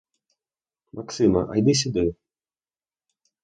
Максиме, а йди сюди!